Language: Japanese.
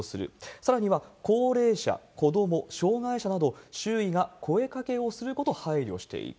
さらには高齢者、子ども、障害者など、周囲が声かけをすることを配慮していく。